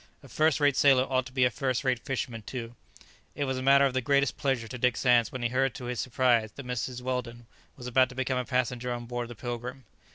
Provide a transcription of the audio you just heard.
A first rate sailor ought to be a first rate fisherman too. It was a matter of the greatest pleasure to Dick Sands when he heard to his surprise that Mrs. Weldon was about to become a passenger on board the "Pilgrim."